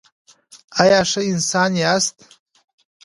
ایا ښه انسان یاست؟